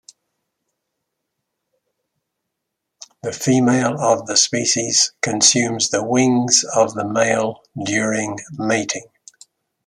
The female of the species consumes the wings of the male during mating.